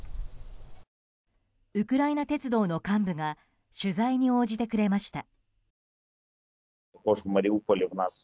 ウクライナ鉄道の幹部が取材に応じてくれました。